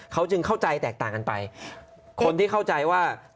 เขาจึงเข้าใจแตกต่างกันไปคนที่เข้าใจว่า